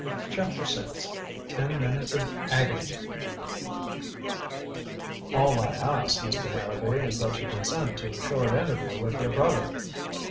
CHAPTER VI TEN MINUTES OF AGONY "All I ask, Mister Harrowby, is that you consent to a short interview with your brother."